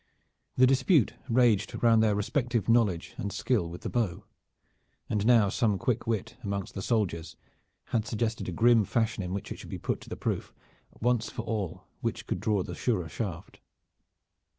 The dispute raged round their respective knowledge and skill with the bow, and now some quick wit amongst the soldiers had suggested a grim fashion in which it should be put to the proof, once for all, which could draw the surer shaft.